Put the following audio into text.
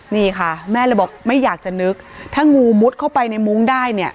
นี่ค่ะแม่เลยบอกไม่อยากจะนึกถ้างูมุดเข้าไปในมุ้งได้เนี่ย